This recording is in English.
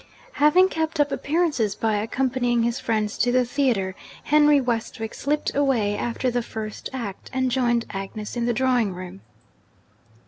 Having kept up appearances by accompanying his friends to the theatre, Henry Westwick slipped away after the first act, and joined Agnes in the drawing room.